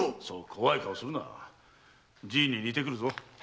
そう怖い顔をするなじいに似てくるぞ。